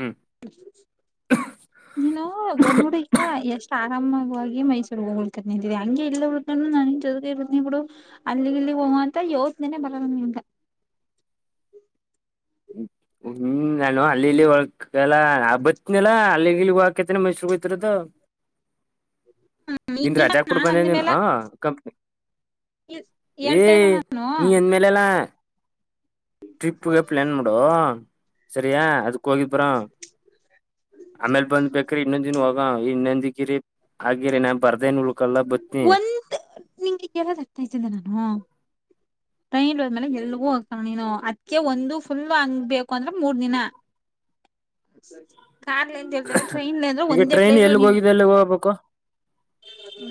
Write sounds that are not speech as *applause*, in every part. ಹ್ಮ್ ನೀನು ಒಂದ ನೋಡ ಈ ಎಷ್ಟ ಆರಾಮವಾಗಿ ಮೈಸೂರಿಗೆ ಹೋಗ್ಲಿ ಕ ನಿಂತಿದೆ ಹಂಗೆ ಎಲ್ಲ ನಾನ ಜೊತೆಗ ಇರ್ತನ ಬಿಡು ಅಲ್ಲಿ ಇಲ್ಲಿ ಹೋಗ ಅಂತ ಯೋಚನೆ ಬರಲ್ಲ ನನಗ ಹ ನಾನು ಅಲ್ಲಿಲ್ಲಿ ಒಳ ಲ್ಲ ನಾ ಬತ್ತನಿಲ್ಲಲ್ಲ ಅಲ್ಲಿ ಇಲ್ಲಿ ಹಾಕತೇನೆ ಮೈಸೂರ್ಗ್ ಹೋಗ್ತಿರದು ಹ ನಿನ್ ರಜಾ ಪುಡ್ ಬಂದೆ ನೀನ್ ಕಂಪ್ನಿ ಏ ಹೇಳ್ತಾ ಇಲ್ಲ ನಾನು ನೀ ಎನ್ಮೇಲೆ ಎಲ್ಲ ಟ್ರಿಪ್ಪಗೆ ಪ್ಲ್ಯಾನ್ ಮಾಡುವ ಸರಿಯಾ ಅದಕ್ಕೆ ಹೋಗಿ ಬರ ಆಮೇಲೆ ಬಂದ ಬು ಇ ನಂದಿನಾಗ ಇ ನಂದಗಿರಿ ಆಗಿರೆ ನ ಒಂದ ನಿಂಗೆ *unintelligible* ಟ್ರೈನ್ಲ್ ಹೋಮೇಲೆ ಎಲ್ಗೂ ಹೋಗ್ತಾನೆ ನೀನು ಅದಕ್ಕೆ ಒಂದು ಫುಲ್ ಹಂಗ ಬೇಕು ಅಂದ್ರೆ ಮೂರ್ ದಿನ ಅ *unintelligible* ಕಾರ್ಲ್ ಅಂತ ಹೇಳ್ತ್ರ ಟ್ರೈನ್ಲ್ ಅಂದ್ರೆ ಈಗ ಒಂದೇ ಟ್ರೈನ್ ಪ್ಲೇಸ್ ಎಲ್ಲಿಗ್ ನಿನ್ನ ಹೋಗಿದೆ ಎಲ್ಲಿಗ್ ಹೋಗ್ಬೇಕು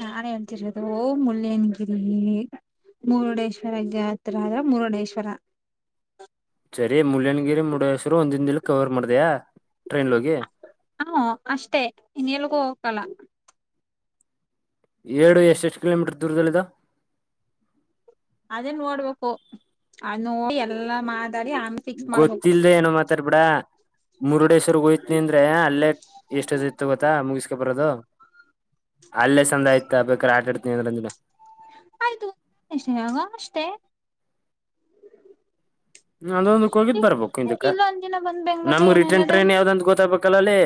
ನಾನ್ ಹೇಳ್ತಿರೋದು ಓ ಮುಲ್ಲಯನಗಿರಿ ಮುರುಡೇಶ್ವರ ಯಾತ್ರಾದ ಮುರಡೇಶ್ವರ ಸರಿ ಮುಳ್ಳಯನಗಿರಿ ಮುರುಡೇಶ್ವರ ಒಂದಿನ ದಲ್ ಕವರ್ ಮಾಡಿದೆಯ ಟ್ರೈನ್ ಲಿಹೋಗಿ ಹಾ ಅಷ್ಟೇ ಇನ್ ಎಲ್ಗೂ ಹೋಗಕಲ್ಲ ಹೇಳು ಎಷ್ಟು ಎಷ್ಟುಕಿಲೋಮೀಟ್ರ ದೂರದಲ್ಲಿದ್ದವು ಅದೇ ನೋಡ್ಬೇಕು ಅದು ನೋಡಿ ಎಲ್ಲಾ ಮಾತಾಡಿ ಆಮ ಗೊತ್ತಿಲ್ದೆ ಏನೋ ಮಾತಾಡ್ಬಿಡ ಮುರುಡೇಶ್ವರಿಗ್ ಹೋಯ್ನ ಅಂದ್ರೆ ಅಲ್ಲೇ ಎಷ್ಟದ್ ಇತ್ತು ಗೊತ್ತಾ ಮುಗಿಸಕ ಬರೋದು ಅಲ್ಲೇ ಚಂದ ಆಯ್ತ ಬೇಕಾದಾರೆ ಆಟಾಡ್ತೀನಿ ಅಂದರಂಜನ ಆಯ್ತುಾಗ ಅಷ್ಟೇ *unintelligible* ಅದೊಂದಕ್ ಹೋಗಿದ್ ಬರ್ಬೇಕು ಇದಕ್ಕ ಇಲ್ಲೊಂದ್ ದಿನ ಬಂದ್ ಬೆಂಗ್ಳೂರ್ ನಮ್ಗ್ ರಿಟರ್ನ್ ಟ್ರೈನ್ ಯಾವ್ದಂತ ಗೊತ್ತಾಗಬೇಕಲ್ಲ ಅಲ್ಲಿ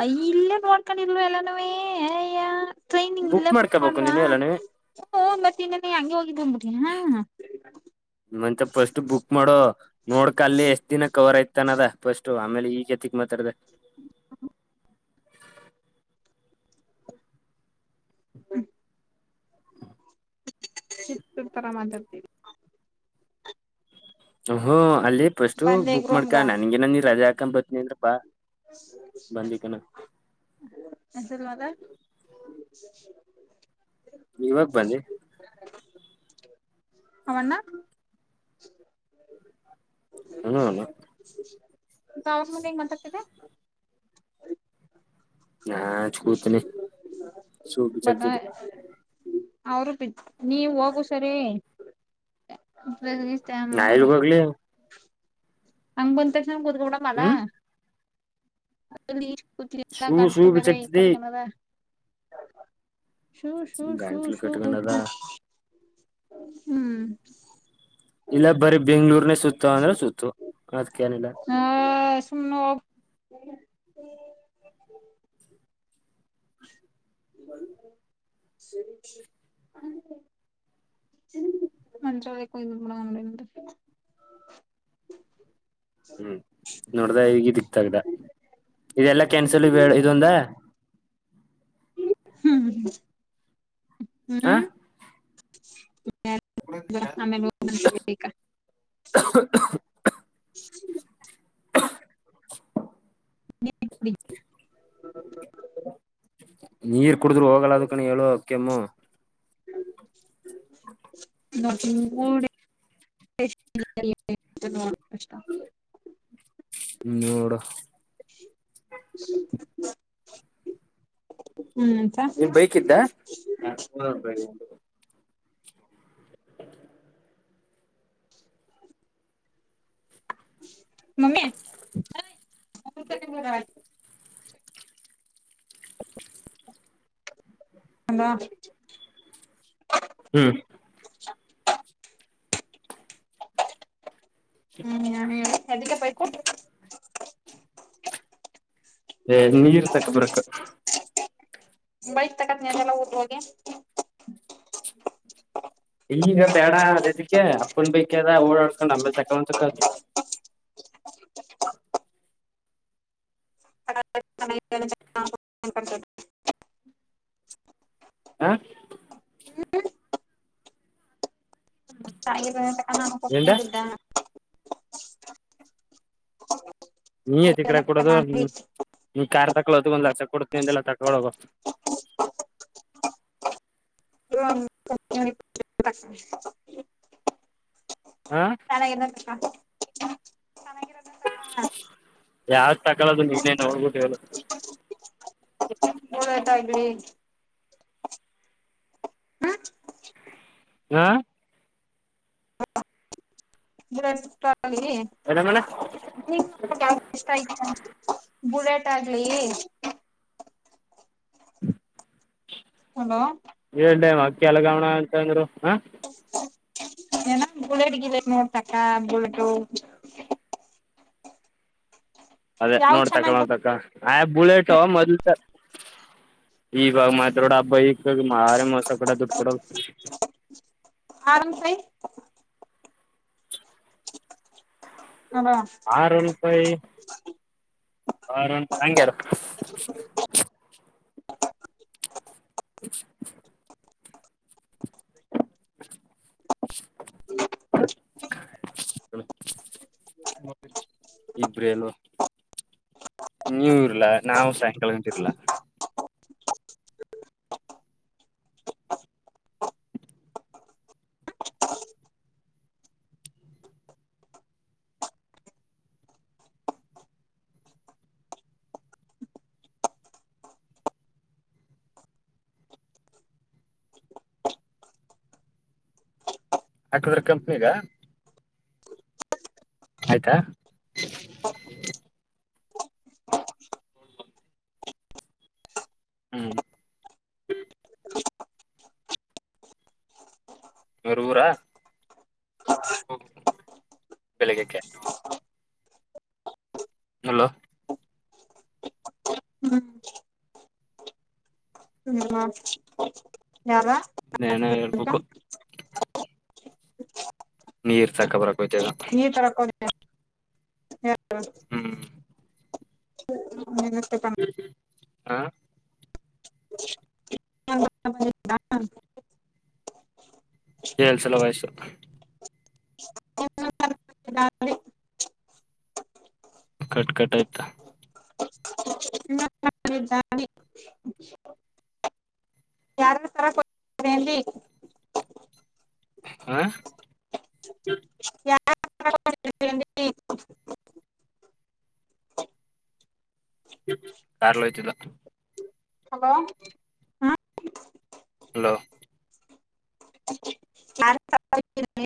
ಅಯ ಇಲ್ಲೇ ನೋಡ್ಕೊಂಡಿಲ್ವ ಎಲ್ಲನವೇ ಅಯ್ಯ ಟ್ರೈನ್ಂಗ ಇಲ್ಲೇ ಬುಕ್ ಮಾಡ್ಕೋಬೇಕು ಮಾಡ್ಲ್ವಾ ನೀನು ಎಲ್ಲ ನೀ ಹ ಮತ್ತ ಇನ್ನೆಲೆ ಹಂಗಗೆ ಹೋಗಿದ್ ಬಂದ್ಬಿಡ್ರಿ ಹಾ ನಿ ಮಂತ ಫಸ್ಟ್ ಬುಕ್ ಮಾಡೋ ನೋಡ್ಕ ಅಲ್ಲಿ ಎಷ್ಟ್ ದಿನ ಕವರ್ ಐ್ತಾನದ ಫಸ್ಟ್ ಆಮೇಲೆ ಈಗತಿಕ್ ಮಾತಾರದ ಹ *unintelligible* ಹ್ಮ ಚಿತ್ತರ್ ತರಾ ಮಾತಾಡ್ತೀವಿ ಹ್ಮ್ ಅಲ್ಲಿ ಫಸ್ಟ್ ಬಂದೆ ಬುಕ್ ರೂಮ್ಗ ಮಾಡ್ಕಾ ನನ್ಗೆ ನನ್ ಇಲ್ಲ ಅದೇ ಹಾಕ ಬತ್ತನಿ ಅನ್್ರಪ್ಪಾ ಸ *unintelligible* ಎನ್ಸರ್ ಮಾತ ನೀವ ಹಬ್ ಬನ್ನಿ ಅವಣ್ಣ ಹ್ಮ್ ಗಾಾವ ಮ ಮತ ತತೆ *unintelligible* ಹಾ ಚ ಕೂತನಿ ಸು ಬಿ ಚಕ್ತ ಬಟ್ ಅವರು ಬಿ ನೀವ ಹೋಗು ಸರಿ ನಾ ಮಾಡು ಎಲ್ಗೋಗ್ಲಿ ಅಂಗ ಬಂದಂತೇಶ ಬುದಗವಡ ಮಲ್ಲ ಹ್ಮ್ ಲಲ್ಲ ಶೂ ಕಂ ಶೂ ಮೇರೆ ಬಿಚ್ಚಾಕ್ತತಿ ಕಡಕಣದ ೋ ಸೋ ಸೋ ಗಂಟ್ಲು ಸೋ ಕಟ್ಕೊಂಡದ ಹ್ಮ್ ಇಲ್ಲ ಬರಿೀ ಬೆಂಗ್ಳೂರ್ನೇ ಸುತ್ತ ಅಂದ್ರೆ ಸುತ್ತು ಅದ್ಕ ಏನಿಲ್ಲ ಹ ಸು ನ ಹ್ಮ ಸರಿ ಮ ಚ ಒ ಬನ್ ಹ್ಮ್ ನೋಡ್ದ ಈಗ ದಿಕ್ತಗ್ದ ಇದೆಲ್ಲಾ ಕ್ಯಾನ್ಸಲ್ ಇದೊಂದ ಹ್ಮ್್ಮ ಹ ಹ್ಮ್ ಯಮೇಲೆ *inaudible* *inaudible* ನೀರ್ ಕುಡಿದ್ರು ಹೋಗಲ್ಲ ಅದು ಕಣ ಹೇಳು ಕೆಮ್ಮು ನಿಂಗ್ ಕೂಡಷ್ಟ ಇನ್ನರು ಹ್ಮ್ ನೀನ್ ಬೈಕ್ ಇದ್ದ ಮಮ್ಮಿ ಅಲ್ಲ ಹ್ಞೂ ಹ್ಮ್ ನ ಎಲ್ಲಿಕ್ಕೆಯತ ನೀರ್ ತಕ್ಕಬರಕ್ು ಬೈಕ್ ತಕತ್ ನಾನಲ್ಲ ಓದುವಗೆ ಈಗ ಬೇಡ ಅಂದಿದಕೆ ಅಪ್ಪನ್ ಬೈಕ್ ಎಲಾ ಓಡಾಸಡ್ಕೊಂಡ್ ಆಮೇಲೆ ತಕೊಂದ್ ತಕ್ಕೋ *inaudible* ಶಕ *unintelligible* ಹಾ ಹ್ಮ ತಾಯಿ ತ ನಾನು ಏಂಡ ಕೊಗ್ತಿದ್ದ *unintelligible* ನೀ ಎತಿ ಕಡೆ ಬುಲೆಟ್ ಕೊಡೋದು ಆಗ್ಲಿ ನೀ ಕಾರ್ ತಕೊಳ್ಳೋದ ಒಂದ್ ಲಕ್ಷ ಕೊಡುತ್ತೆ ಅಂದಲ್ಲ ತಕೊಳೋಗ *inaudible* ಹಾ ಅಣ್ಣ ಅದರ ಇನ್ನೊಬರಿಗೆ ಕಾಣ್ತಾದ ನಮ್ಗೆ ಇರೋದ ಒಂದಕ ಯಾವ್ದ ತಕಾಲದು ನೀನೇ ನೋಡ್ಬಿಟ್ಟ ಹೇಳ *unintelligible* ಹಾ *unintelligible* ಅಣಗಣ *unintelligible* ಬುಲೆಟ್ ಆಗ್ಲಿ ಹಲೋ ಹೇಳಏಳ್ ಅ ಕೆ ಎಲ್ಲಗೌಣ ಅಂತಂದ್ರು ಹ ಏನ ಬುಲೆಟ್ ಗಿಲೆಟ್ ನೋಡ ತಕ ಬುಟು ಅದೇ ಯಾವ್ ನೋಡಿ ತಕ್ಕಳ ಚೆನ್ನಾಗ್ ನೋವು ತಕ್ಕ ಆಯ್ ಬುಲೆಟ್ ಮೊದ್ಲು ಈವಾಗ ಮಾತ್ರೋಡ ಹಬ್ಬ ಈಗ ಈ ಮಾರ ಮೋಸ ಕಡೆ ದುಡ್ಡು ಕಡ ಆರಾಮ ಸಾಯ ಹ ಆರುನ್ ಪೈ ಆರುೂಪಿ ಹಂಗರ *inaudible* ಇಬ್ರೇಲು ನೀವು ಇರ್ಲಾ ನಾವು ಸಾಯಂಕಾಲ ಗಂಟ್ ಇರ್ಲ ಯಾಕಂದ್ರೆ ಕಂಪ್ನಿಗಾ ಆಯ್ತಾ ಹ್ಞೂ ಊರೂರಾ ಬೆಳಿಗ್ಕ್ಕೆ ಹಲೋ ಹ್ಮ್ ಹ ಯಾರ ನಿನ್ ಹೇಳ್ಬೇಕು ನೀರ್ ತಗೋಬಾರಕ್ ಹೋಗಿದೆ. ನೀರ್ ತರೋಕೆ ಹೋಗಿದೆ ಹ್ಮ್ ಹ್ಮ ಮ ಹಾ ಹೋದ ಕೇಳ್ಸಲ ವಯಸ್ಸು ನೆ *unintelligible* ಕಟ್ ಕಟ್ ಆಯ್ತಾ ಮ ಮಿ *unintelligible* ಹಾ *unintelligible* ಕಾರಾರ್ಲಯ್ತಿದ್ದ ಹಲೋ ಹ್ಮ್ ಹಲೋ ಯಾರ್ಯಾರ್ ತರಕ್ ಹೋಗಿದ್ರಿ?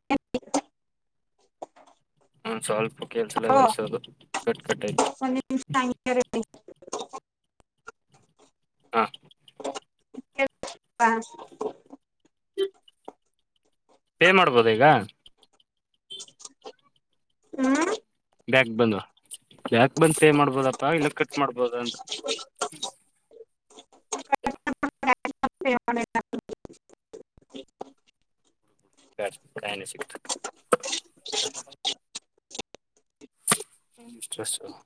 ಒಂದ್ ಸ್ವಲ್ಪ ಕೆಲ್ಸಲ್ಲ ವಯಸೋದು ಕಟ್ಕಟ್ಯತು ಒ *unintelligible* ಹ *unintelligible* ಹಾ ಹಾ ಪೇ ಮಾಡ್ಬೋದು ಈಗ ಹ್ಮ್ ಬ್ಯಾಗ ಬಂದ ಬ್ಯಾಗ ಬಂದ ಸೇವ್ ಮಾಡ್ಬೋದಪ್ಪ ಇಲ್ಲ ಕಟ್ ಮಾಡ್ಬೋದ ಅಂತ ಹ *unintelligible* ನೀ *unintelligible* ನು ಸಿಕ್ತ *unintelligible* ಅಷ್ಟಾ *unintelligible*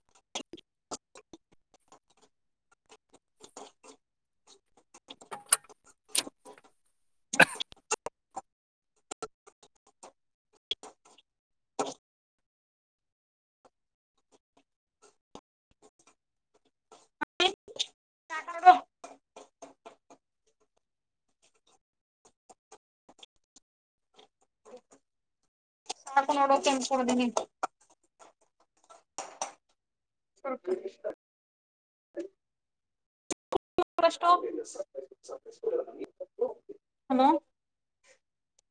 ಕ ಸೋಡ್ದನೆ *unintelligible* ಹ *unintelligible* ಫಷ್ಟು ಹಲೋ